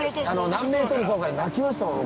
何メートル走かで泣きましたもん、僕。